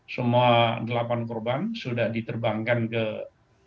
semua delapan korban sudah diterbangkan ke tempat tkp